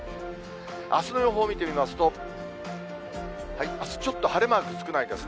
あすの予報を見ていきますと、あすちょっと晴れマーク少ないですね。